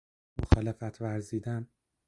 مخالفت ورزیدن